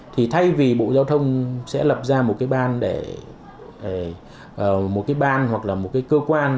thì thay vì bộ giao thông sẽ lập ra một cái ban hoặc là một cơ quan